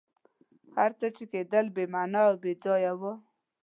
هر څه چي کېدل بي معنی او بېځایه وه.